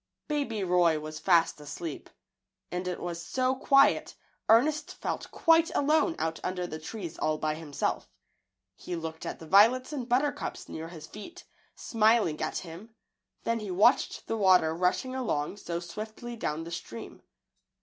Baby Roy was fast asleep, and it was so quiet Ernest felt quite alone out under the trees all by himself. He looked at the violets and buttercups near his feet, smiling at him; then he watched the water rushing along so swiftly down the stream.